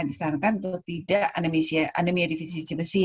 disarankan untuk tidak anemia divisi besi